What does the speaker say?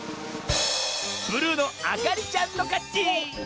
ブルーのあかりちゃんのかち！